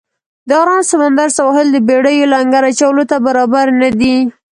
د آرام سمندر سواحل د بېړیو لنګر اچولو ته برابر نه دی.